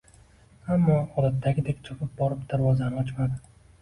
ammo odatdagidek chopib borib darvozani ochmadi